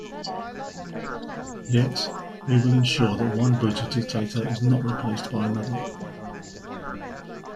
Yet, we will ensure that one brutal dictator is not replaced by another.